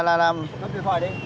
cấp phía phải đi